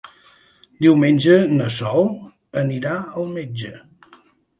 Diumenge na Sol anirà al metge.